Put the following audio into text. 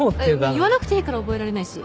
あっ言わなくていいから覚えられないし。